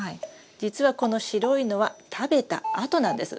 実はこの白いのは食べた跡なんです。